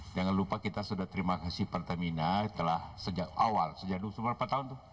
jangan lupa kita sudah terima kasih pertamina telah sejak awal sejak berapa tahun tuh